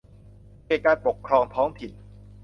เขตการปกครองท้องถิ่น